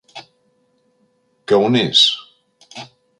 Que on és...